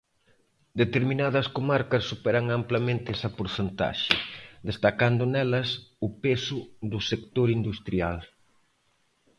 Determinadas comarcas superan amplamente esa porcentaxe, destacando nelas o peso do sector industrial.